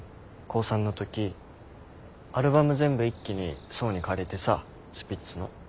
高３のときアルバム全部一気に想に借りてさスピッツの。